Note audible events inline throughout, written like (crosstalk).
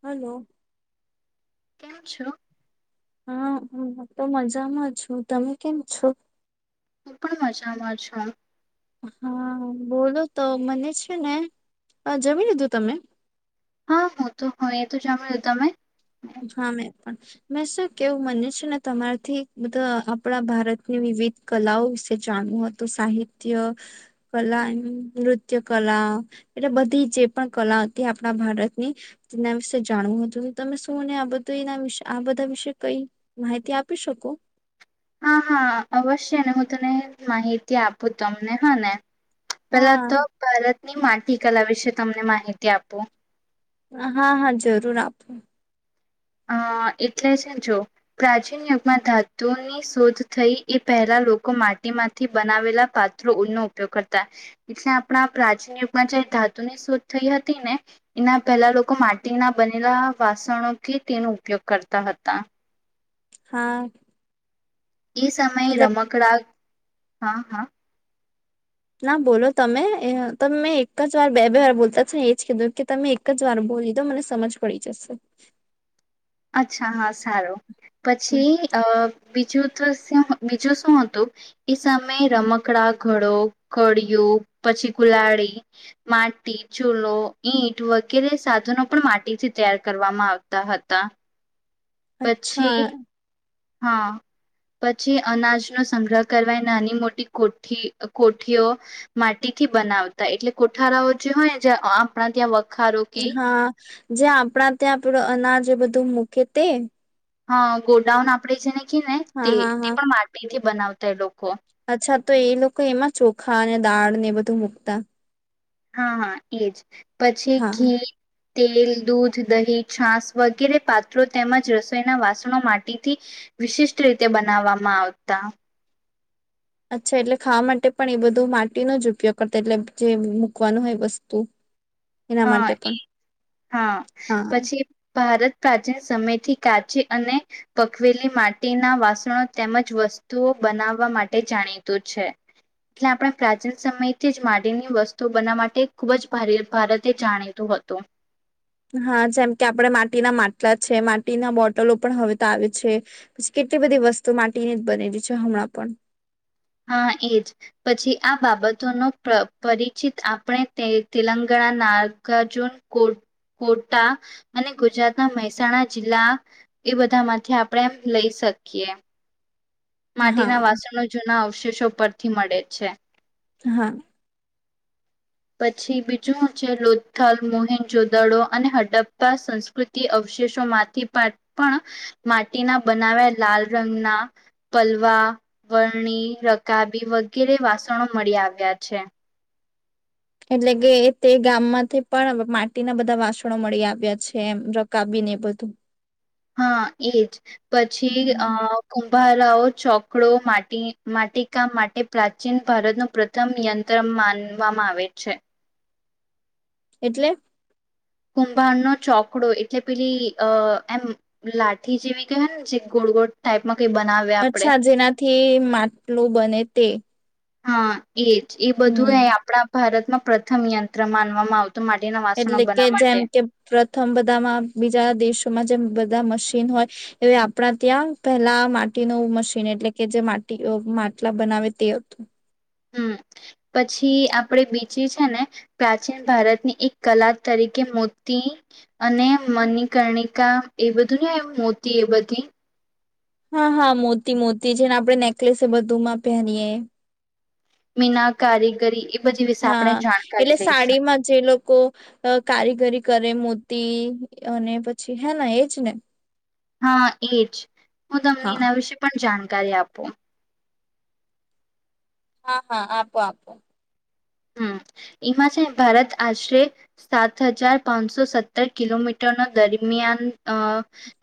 Hello તેમમ છ હા હ હ તો મજામાં હું તમે કેમ છો મજામાંજા હા બોલો તો મને છે ને જમી લીધું તમે હા હું તો હોય એ તો સાંભળ્યો તમે હા મે પણ મેં શું કેવું મને છે ને તમારેથી બધા આપણા ભારતની વિવિધ કલાઓ વિશે જાણવું હતું સાહિત્ય કલા એમ નૃત્ય કલા એટલે બધી જે પણ કલા હતી આપણા ભારતની તેના વિશે જાણવું હતું તમેું તું મને આ બધના વિ આ બધા વિશે કઈ માહિતી આપી શકો હા હા અવશ્ય ને હું તને માહિતી આપું તમને હા ને પેલા હા તો ભારતની માટી કલા વિશે તમને માહિતી આપો હા હા જરૂર આપો અ એટલે છે જો પ્રાચીન યુગમાં ધાતુની શોધ થઈ એ પહેલા લોકો માટીમાંથી બનાવેલા પાત્રો નનો ઉપયોગ કરતા એટલે આપણા પ્રાચીન યુગમાં જે ધાતુની શોધ થઈ હતી ને એના પહેલા લોકો માટીના બનેલા વાસણો થી તેનો ઉપયોગ કરતા હતા હા એ સમયે એટલે રમકડા હા હા ના બોલો તમે તમે મેં એક જ વાર બે બે વાર બોલતા છેો ને એજ કીધું કે તમે એક જ વાર બોલી દો મને સમજ પડી જશે અચ્છા હા સારો પછી અ બીજું તો બીજું શું હતું એ સામે રમકડા ઘડો કળિયો પછી કુલાડીી માટી ચૂલો ઈટ વગેરે સાધનો પણ માટીથી તૈયાર કરવામાં આવતા હતા પછી અચ્છા હા પછી અનાજનોો સંગ્રહ કરવા એ નાની મોટી કોઠી કોઠીઓ માટીથી બનાવતા એટલે કોઠારાઓ જે હોયને આપણા ત્યાં વખારો કે હા જે આપણા ત્યાં આપું અનાજ એ બધું મૂકે તે હા ગોડાઉન આપડે છે ને ને હા તે હા તે હા પણ માટીથી બનાવતા લોકો અચ્છા તો એ લોકો એમાં ચોખા અને દાળ ને બધું મૂકતા હા હા એજ પછી હા ઘી તેલ દૂધ દહી છાાસ વગેરે પાત્રો તેમજ રસોઈના વાસણો માટીથી વિશિષ્ટ રીતે બનાવવામાં આવતા અચ્છા એટલે ખાવા માટે પણ એ બધું માટીનો જ ઉપયોગ કરતા એટલે જે મૂકવાનું હોય વસ્તુ એના માટે હા પણ હા હા પછી ભારત પ્રાચીન સમયથી કાચી અને પકવેલી માટીના વાસણો તેમજ વસ્તુઓ બનાવવા માટે જાણીતું છે એટલે આપણે પ્રાચીન સમયથી જ માટીની વસ્તુઓ બનાવવા માટે ખુબ જ ભારે ભારત તે જાણીતું હતું હા જેમ કે આપણે માટીના માટલા છે માટીના બોટલો પણ હવે તો આવે છે પછી કેટલી બધી વસ્તુ માટીની જ બનેલી છે હમણાં પણ હા એજ પછી આ બાબતોનો પરિચિત આપણે તે તેલંગાણા નાગજુન કોટા અને ગુજરાતના મહેસાણા જિલ્લા એ બધા માંથી આપણે એમ લઈ શકીએ માટીના હા વાસણો જૂના આવશે અવશેષો પરથી મળે છે હા પછી બીજું છે લોથથલ મોહિન જોદડો અને હડપ્પા સંસ્કૃતિ અવશેષોમાંથી પણ માટીના બનાવે્યા લાલ રંગના પલવા વરણી રકાબી વગેરે વાસણો મળી આવ્યા છે એટલે કે તે ગામમાંથી પણ માટીના બધા વાસણો મળી આવ્યા છે એમ રકાબીને બધું હા એજ પછી અ હમ ભારાઓ ચોકડો માટી માટી કામ માટે પ્રાચીન ભારતનું પ્રથમ યંત્ર માનવામાં આવે છે એટલે કુંભાર નો ચોકડો એટલે પેલી અ એમ લાઠી જેવી કહે ને જે ગોળ ગોળ ટાઈપમાં કઈ બનાવે આપડે અચ્છા જેનાથી માટલું બને તે હા એજ એ બધું હમ એ આપણા ભારત પ્રથમ યંત્ર માનવામાં આવતા એટલે કે જેમ કે પ્રથમ બધામાં બીજા દેશો જે બધા મશીન હોય એ આપણા ત્યાં પેલા માટીનું મશીન એટલે કે જે માટી માટલા બનાવે તે હતું હમ પછી આપણે બીજે છે ને પ્રાચીન ભારતની એક કલા તરીકે મોતી અને મનીિકર્ણિકા એ બધું ને મોતી એ બધી હા હા મોતી મોતી છે ને આપણે નેકલેસે બધુંમાં પહેરીયએ મીના કારીગરી બધી વિશે આપણે હા જાણકારી એટલે લઈશું સાડીમાં જે લોકો કારીગરી કરે મો અને પછી હે ના એજ ને હા એજ હું તમને હા. એના વિશે પણ જાણી કરી આપ આપ હા હા આપો આપો હ એમાં છે ભારત આશરે સાત હજાર પાંચસો સત્તર કિલોમીટરનો દરમિયાન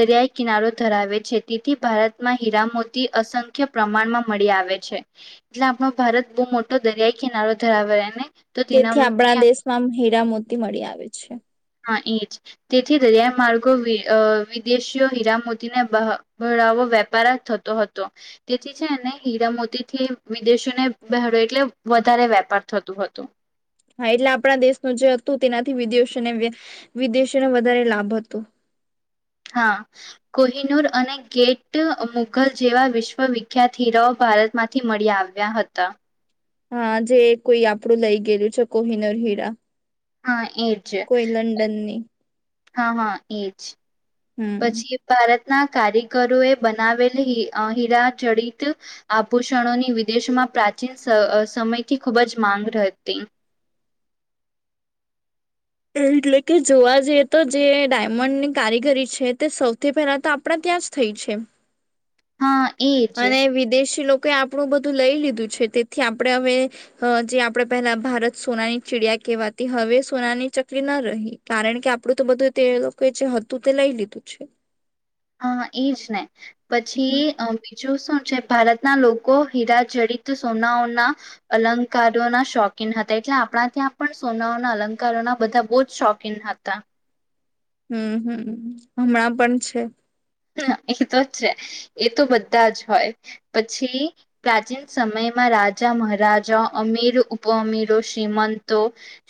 દરિયાઈ કિનારો ધરાવે છે તેથી ભારતમાં હીરામોતી અસંખ્ય પ્રમાણમાં મળી આવે છે એટલે આપણો ભારત બહુ મોટો દરિયાઈ કિનારો ધરાબર ને તો તેથી આપણા તેનાથી દેશમાં હીરા મોતી મળી આવે છે હ ઇચ તેથી દરિયા માર્ગો વિદેશીઓ હીરામતીને બરાાવો વેપાર જ થતો હતો તેથી છે એને હીરામતીથી વિદેશીને બહેડ એટલે વધારે વેપાર થતોું હતો હા એટલે આપણા દેશનું જે હતું તેનાથી વિદેશોને વિદેશોને વધારે લાભ હતો હા કોહિનુર અને ગેટ મુઘલ જેવા વિશ્વવિખ્યાત હીરાઓ ભારતમાંથી મળી આવ્યા હતા હા જે કોઈ આપડું લઈ ગયેલું છે કોહિનૂર હીરા હા એજ કોઈ લંડનની હા હા એજ હમ. પછી ભારત ના કારીગરોએ બનાવેલ હીરાજડિત આભૂષણોની વિદેશમાં પ્રાચીન સમયથી ખૂબ જ માંગ હતી એટલે કે જોવા જઈએ તો જે ડાયમંડની કારીગરી છે તે સૌથી પહેલા તો આપણા ત્યાં જ થઇ છે હા એજ અને વિદેશી લોકો તે આપણું બધું લઈ લીધું છે તેથી આપણે હવે જે આપણે પહેલા ભારત સોનાની ચીડિયા કહેવાતી હવે સોનાની ચકલી ન રહી કારણ કે આપણું તો બધું તે લોકોએ જે હતું તે લઈ લીધું છે હા એજ ને પછી બીજું શું છે ભારતના લોકો હીરાજડિત સોનાઓના અલંકારોના શોખીન હતા એટલે આપણા ત્યાં પણ સોનાઓના અલંકારોના બધા બહુ જ શોખીન હતા હમ હમ હમણાં પણ છે એ તો છે એ તો બધા જ હોય પછી પ્રાચીન સમયમાં રાજા મહારાજા અમીર ઉપઅમીરો શ્રીમંતો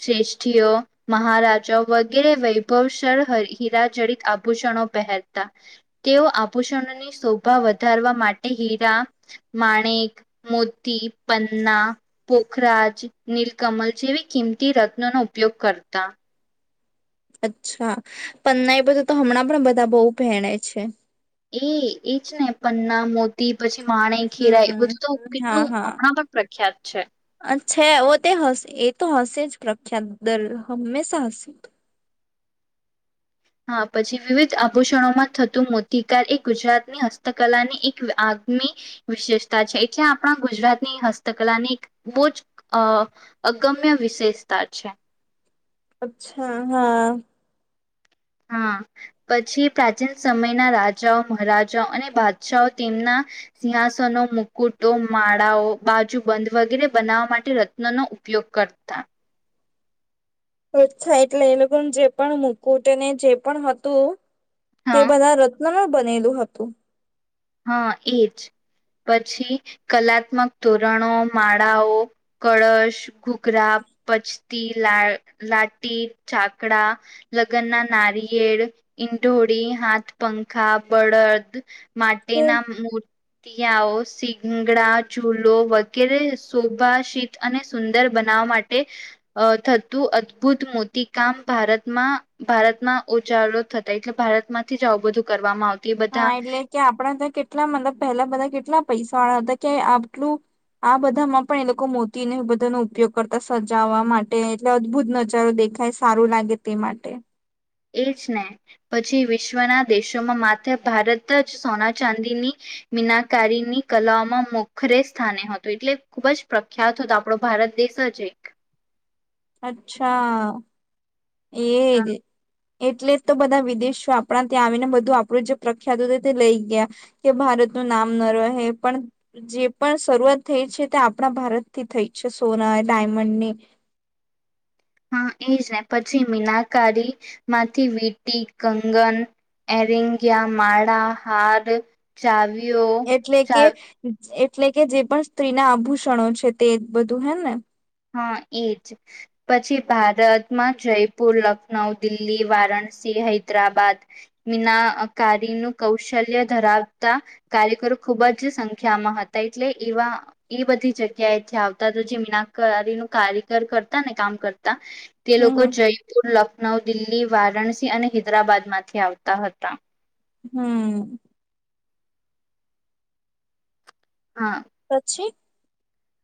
શ્રેષ્ઠીઓ મહારાજા વગેરે વૈભવશડ હ હિરાજડિત આભૂષણો પહેરતા તેઓ આભૂષણોની શોભા વધારવા માટે હીરા માણેક મોતી પન્ના પોખરાજ નીલકમલ જેવી કિંમતી રત્નોનો ઉપયોગ કરતા અચ્છા પન્નાઈ બધું તો હમણાં પણ બધા બહુ પહેણે છે એ એ જ ને પન્ના મોતી પછી માણેક હીરા એ હમ બધું તો હા કેટલું હા હમણાં પણ પ્રખ્યાત છે આછા એ તે હશે એ તો હશે જ પ્રખ્યા દલ હમેશા હશે તો હા પછી વિવિધ આભૂષણોમાં થતું મોતિકાર એ ગુજરાતની હસ્તકલાની એક આગમી વિશેષતા છે એટલે આપણા ગુજરાતની હસ્તકલાની એક બહુ જ અ અગમ્ય વિશેષતા છે અચ્છા હા હા પછી પ્રાચીન સમયના રાજાઓ મહારાજાઓ અને બાદશા તેમના સિંહાસનો મુકુટો માળાઓ બાજુ બંધ વગેરે બનાવવા માટે રત્નોનો ઉપયોગ કરતા અચ્છા એટલે એ લોકો જે પણ મુકુટને જે પણ હતું તે હા બધા નમ બનેલું હતું હા એજ પછી કલાત્મક તોરણો માળાઓ કળશ ઘૂઘરા પચતી લા લાટી ચાકડા લગ્નના નારિયેળ ઈંઢોળી હાથ પંખા બળદ માટે ના મૂ તિયાઓ સીંગડા ચૂલો વગેરે શોભાશીત અને સુંદર બનાવા માટે થતું અદભુત મોટી કામ ભારતમાં ભારતમાં ઉજ થતા એટલે ભારતમાંથી જ આવું બધું કરવામાં આવતું તે હા બધા એટલે કે આપણા ત્યા કેટલા મતલબ પહેલા બધા કેટલા પૈસા વાળા હતા કે આટલું આ બધામાં પણ એ લોકો મોતીને એ બધાનો ઉપયોગ કરતા સજાવા માટે એટલે અદભુત નજારો દેખાય સારું લાગે તે માટે એ જ ને પછી વિશ્વના દેશોમાં માથે ભારત જ સોના ચાંદીની મીનાકારીની કલામાં મોખરે સ્થાને હતોું એટલે ખૂબ જ પ્રખ્યાત હતો આપણો ભારત દેશ જ એક અચ્છા એ ગ એટલે જ તો બધા વિદેશો આપણા ત્યાં આવીને બધું આપણું જે પ્રખ્યાત હતું તે લઈ ગયા કે ભારતનું નામ ન રહે પણ જે પણ શરૂઆત થઈ છે તે આપણા ભારતથી થઈ છે સોના ડાયમંડની એજને પછી મીનાકારી માંથી વીટી કંગન એરિંગ્યા માળા હાર ચાવી એટલે કે એટલે કે જે પણ સ્ત્રી ના આભૂષણો છે તે બધું હે ને હા એજ પછી ભારતમાં જયપુર લખનઉ દિલ્લી વારાણસી હૈદરાબાદ મીનાકારીનું કૌશલ્ય ધરાવતા કાર્યકરો ખુબ જ સંખ્યામાં હતા એટલે એવા એ બધી જગ્યાએથી આવતા હતા જે મી કારી નું કારીગર કરતા ને કામ કરતા તે લોકો હમ જયપુર લક નવ દિલ્હી વારાણસી અને હૈદરાબાદ માંથી આવતા હતા હમ હા પછી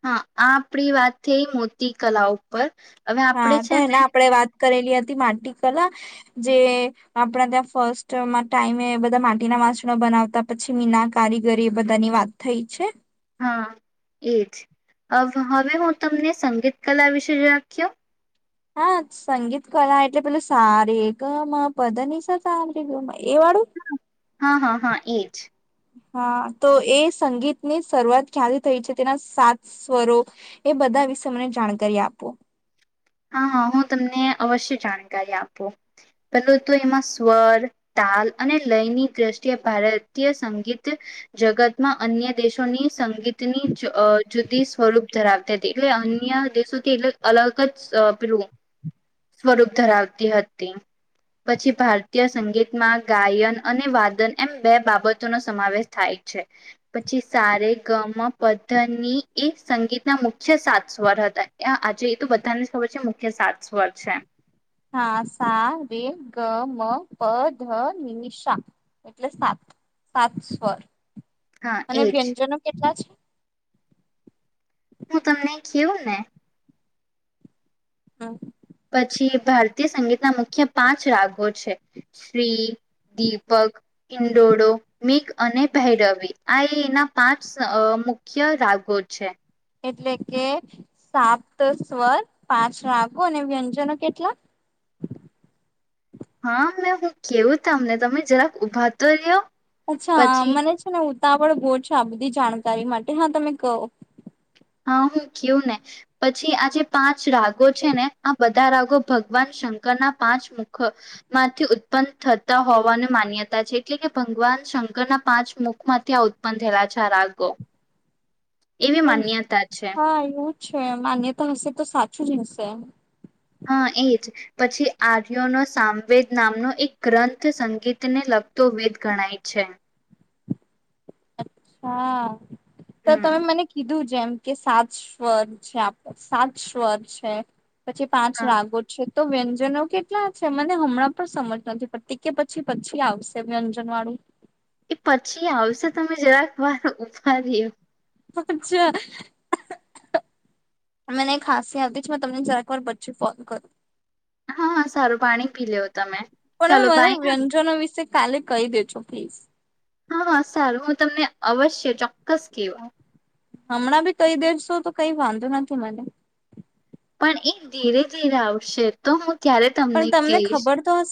હા આ આપડી વાત થઈ મોતી કલા ઉપર હવે આપડે હા છે ને પેલા આપડે વાત કરેલી હતી માટી કલા જે આપણા ત્યાં ફર્સ્ટ ટાઈમે બધા માટીના વાસણો બનાવતા પછી મીના કારીગરી એ બધાની વાત થઈ છે હા એજ હવે હું તમને સંગીત કલા વિશે રાખ્યો હા સંગીત કલા એટલે પેલું સ રે ગ મ પ દ ની સાથે (unintelligible) ગયું એ વાળું હા હા હા એજ હા, તો એ સંગીતની શરૂઆત ક્યારે થઈ છે તેના સાત સ્વરો એ બધા વિશે મને જાણકારી આપો. હા, હ હું તમને અવશ્ય જાણકારી આપું. પેલું તો એમાં સ્વર, તાલ અને લયની દ્રષ્ટિએ ભારતીય સંગીત જગતમાં અન્ય દેશોની સંગીતની જ અ જુદી સ્વરૂપ ધરાવતી તી એટલે અન્ય દેશોથી એટલ અલગ જ સ પેલું એ સ્વરૂપ ધરાવતી હતી, પછી ભારતીય સંગીતમાં ગાયન અને વાદન એમ બે બાબતોનો સમાવેશ થાય છે, પછી સારે ગમ પધની એ સંગીતના મુખ્ય સાત સ્વર હતા. એ આજે એ તો બધાને ખબર છે મુખ્ય સાત સ્વર છે. હા, સા રે ગ મ પ ધ નિશા એટલે સાત સાત સ્વર. હા અને એજ વ્યંજનો કેટલા છે? હું તમને કેવું ને હા. પછી ભારતીય સંગીતના મુખ્ય પાંચ રાગો છે. શ્રી, દીપક, ઇંડોડો, મીક અને ભૈરવિ. આ એના પાંચ અ મુખ્ય રાગો છે. એટલે કે સાપ્ત સ્વર, પાંચ રાગો અને વ્યંજનો કેટલા? હા, મેં હું કેવું તમને તમે જરાક ઊભાતો રયો. અચ્છા, આ મને છે ને ઉદ તાપડ બોડ છે, આ બધી જાણકારી માટે હા, તમે કહો. હા, હું કયું ને પછી આ જે પાંચ રાગો છે ને આ બધા રાગો ભગવાન શંકરના પાંચ મુખ માંથી ઉત્પન્ન થતા હોવાની માન્યતા છે, એટલે કે ભંગવાન શંકરના પાંચ મુખમાંથી આ ઉત્પન્ન થયેલા છે આ રાગો. એવી માન્ય હા એયુ એવુ છે માનીએ તો હશે તો સાચું જ હશે. હા, એજ પછી આર્યોનો સામવેદ નામનો એક ગ્રંથ સંગીતને લગતો વેદ ગણાય છે. અત હા. તો હમ તમે મને કીધું જ જેમ કે સાત સ્વર છે આપડા સાત સ્વર છે. પછી પાંચ હા રાગો છે. તો વ્યંજનો કેટલા છે, મને હમણાં પણ સમજ નથી પડતી કે પછી પછી આવશે વ્યંજનવાળું. એ પછી આવશે તમે જરાક વાર ઉભા રયો. અચ્છ, મને ખાસી આવતી જ મેં તમને જરાકવાર પછી ફોન કરું. હા હા, સારું પાણી પી લેવ તમે પણ ચાલો મને ભાઈ હા. વ્યંજનો વિશે કાલે કહી દેજો પ્લીઝ. હા હા, સારું હું તમને અવશ કે ચોક્કસ કેવા હમણાં બી કઈ દેસો તો કઈ વાંધો નથી મને. પણ એ ધીરે ધીરે આવશે તો હું ત્યારે પણ તમને કહીશ ખબર તો હશે.